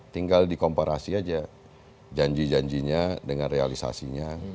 tinggal dikomparasi aja janji janjinya dengan realisasinya